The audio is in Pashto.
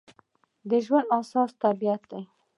د ژوند اساس طبیعت دی.